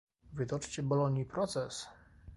"Wytoczcie Bolonii proces!"